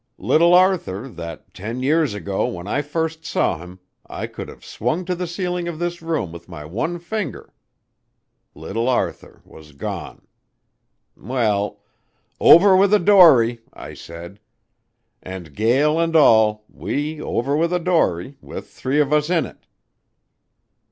Little Arthur that ten years ago, when first I saw him, I could've swung to the ceiling of this room with my one finger little Arthur was gone. Well, 'Over with a dory!' I said. And, gale and all, we over with a dory, with three of us in it.